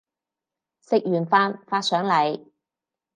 食完飯發上嚟